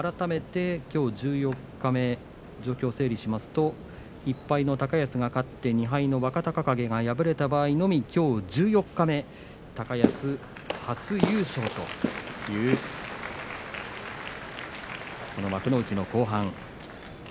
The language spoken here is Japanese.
きょう十四日目状況を整理しますと１敗の高安が勝って２敗の若隆景が敗れた場合のみきょう十四日目、高安初優勝という幕内の後半。